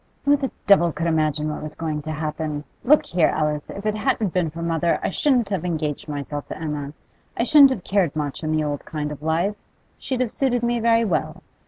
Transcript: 'Who the devil could imagine what was going to happen? Look here, Alice; if it hadn't been for mother, I shouldn't have engaged myself to Emma. I shouldn't have cared much in the old kind of life; she'd have suited me very well.